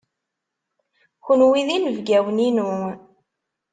Kenwi d inebgiwen-inu.